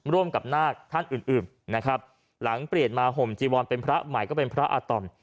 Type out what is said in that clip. ร่วมกับนาคท่านอื่นนะครับหลังเปลี่ยนมาห่มจีวรเป็นพระใหม่ก็เป็นพระอาตอม